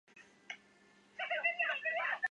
苔藓学科学研究的植物学分支。